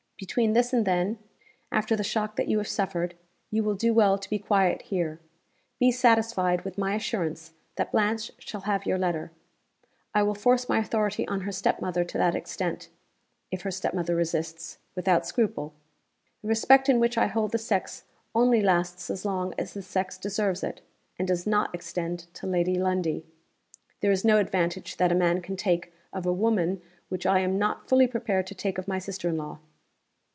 Between this and then, after the shock that you have suffered, you will do well to be quiet here. Be satisfied with my assurance that Blanche shall have your letter. I will force my authority on her step mother to that extent (if her step mother resists) without scruple. The respect in which I hold the sex only lasts as long as the sex deserves it and does not extend to Lady Lundie. There is no advantage that a man can take of a woman which I am not fully prepared to take of my sister in law."